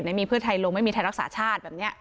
เขตนั้นมีเพื่อไทยลงไม่มีไทยรักษาชาติแบบเนี้ย